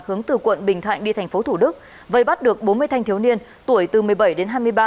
hướng từ quận bình thạnh đi tp thủ đức vây bắt được bốn mươi thanh thiếu niên tuổi từ một mươi bảy đến hai mươi ba